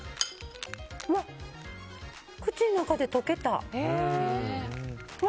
うわ、口の中で溶けた。